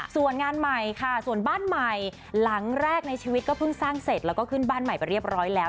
ส่วนงานใหม่ค่ะส่วนบ้านใหม่หลังแรกในชีวิตก็เพิ่งสร้างเสร็จแล้วก็ขึ้นบ้านใหม่ไปเรียบร้อยแล้ว